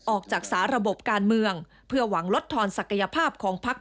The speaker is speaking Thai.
ออกจากสาระบบการเมืองเพื่อหวังลดทอนศักยภาพของพัก